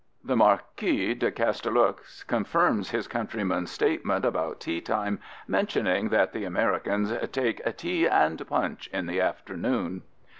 The Marquis de Chastellux confirms his countryman's statement about teatime, mentioning that the Americans take "tea and punch in the afternoon."